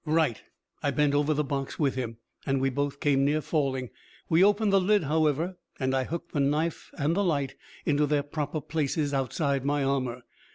"Right!" I bent over the box with him, and we both came near falling. We opened the lid, however, and I hooked the knife and the light into their proper places outside my armor.